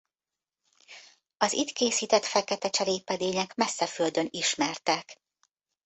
Az itt készített fekete cserépedények messze földön ismertek.